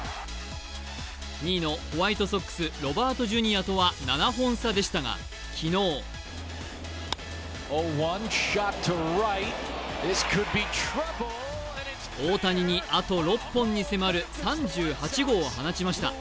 ２位のホワイトソックス、ロバート・ジュニアとは７本差でしたが昨日大谷にあと６本に迫る３８号を放ちました。